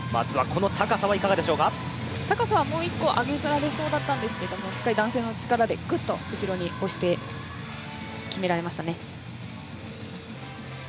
高さはもう一個上げられそうだったんですけどしっかり男性の力でぐっと後ろに押して決められましたね。